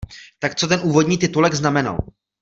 Tak co ten úvodní titulek znamenal.